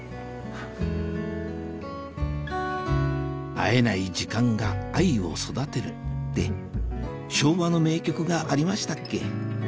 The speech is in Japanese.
会えない時間が愛を育てるって昭和の名曲がありましたっけ